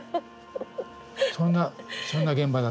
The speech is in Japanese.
そんなそんな現場だったね。